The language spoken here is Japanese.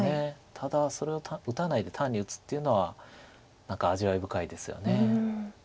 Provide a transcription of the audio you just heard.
ただそれを打たないで単に打つっていうのは何か味わい深いですよね。